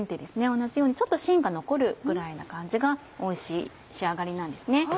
同じようにちょっと芯が残るぐらいな感じがおいしい仕上がりなんですね。